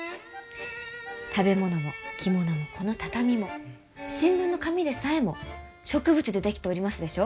食べ物も着物もこの畳も新聞の紙でさえも植物で出来ておりますでしょう？